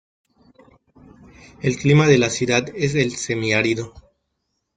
El clima de la ciudad es el Semiárido.